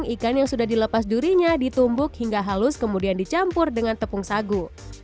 ikan yang sudah dilepas durinya ditumbuk hingga halus kemudian dicampur dengan tepung sagu